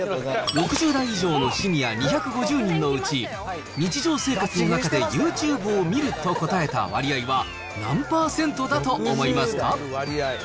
６０代以上のシニア２５０人のうち、日常生活の中でユーチューブを見ると答えた割合は何％だと思いますか。